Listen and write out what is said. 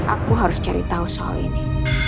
aku harus cari tahu soal ini